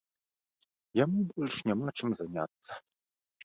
Яму больш няма чым заняцца.